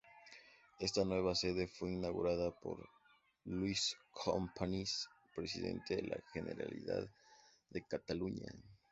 Esta nueva sede fue inaugurada por Lluís Companys, presidente de la Generalidad de Cataluña.